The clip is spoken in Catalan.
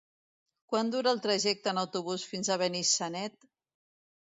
Quant dura el trajecte en autobús fins a Benissanet?